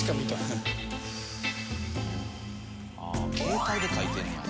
ああ携帯で書いてんねや。